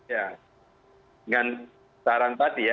ya dengan saran tadi ya